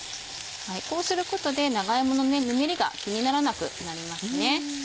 こうすることで長芋のぬめりが気にならなくなりますね。